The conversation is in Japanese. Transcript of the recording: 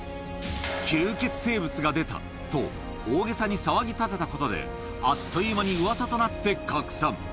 吸血生物が出たと、大げさに騒ぎ立てたことで、あっという間にうわさとなって拡散。